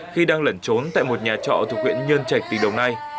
khi đang lẩn trốn tại một nhà trọ thuộc huyện nhơn trạch tỉnh đồng nai